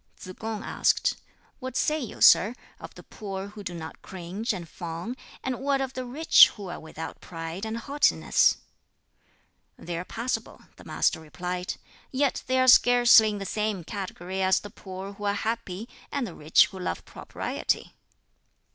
Tsz kung asked, "What say you, sir, of the poor who do not cringe and fawn; and what of the rich who are without pride and haughtiness?" "They are passable," the Master replied; "yet they are scarcely in the same category as the poor who are happy, and the rich who love propriety."